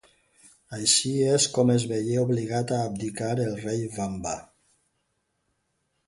Així és com es veié obligat a abdicar el rei Vamba.